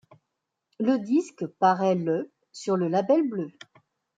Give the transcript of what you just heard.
Le disque paraît le sur le Label Bleu.